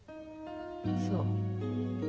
そう。